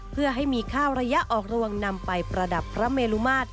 เพื่อให้มีข้าวระยะออกรวงนำไปประดับพระเมลุมาตร